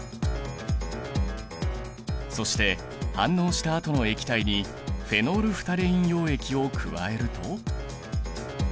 そして反応したあとの液体にフェノールフタレイン溶液を加えると。